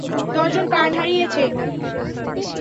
দশজন প্রাণ হারিয়েছে।